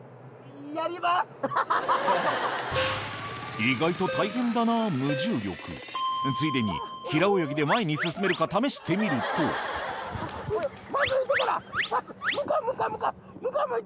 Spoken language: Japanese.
意外と大変だなぁ無重力ついでに平泳ぎで前に進めるか試してみると向こう向こう向こう向こう向いて。